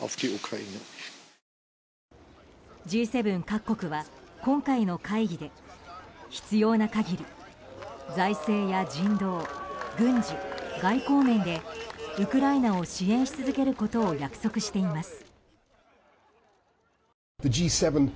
Ｇ７各国は今回の会議で必要な限り財政や人道、軍事、外交面でウクライナを支援し続けることを約束しています。